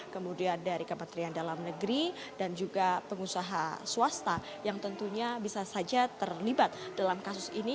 kemudian dari kementerian dalam negeri dan juga pengusaha swasta yang tentunya bisa saja terlibat dalam kasus ini